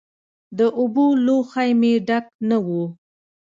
د اوبو لوښی مې ډک نه و.